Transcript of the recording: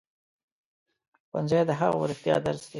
ښوونځی د حق او رښتیا درس دی